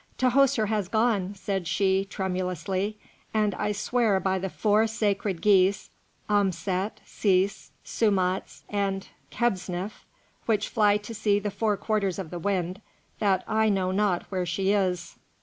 "Tahoser has gone," said she, tremulously, "and I swear by the four sacred geese, Amset, Sis, Soumauts, and Kebhsniv, which fly to the four quarters of the wind, that I know not where she is."